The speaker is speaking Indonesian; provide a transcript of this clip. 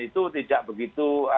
itu tidak begitu